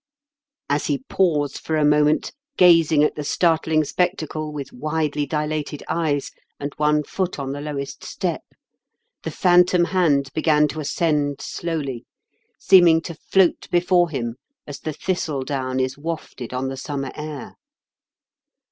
As he paused for a moment, gazing at the startling spectacle with widely dilated eyes, and one foot on the lowest step, the phantom hand began to ascend slowly, seeming to float before him as the thistle down is wafted on the summer air.